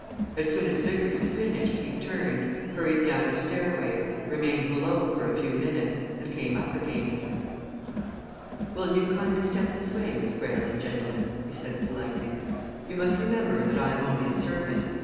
As soon as Vickers had finished he turned, hurried down a stairway, remained below for a few minutes, and came up again. "Will you kindly step this way, Miss Greyle and gentlemen?" he said politely. "You must remember that I am only a servant.